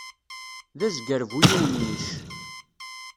D azger bu yiwen yicc.